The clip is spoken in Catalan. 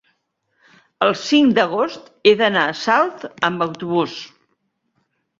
el cinc d'agost he d'anar a Salt amb autobús.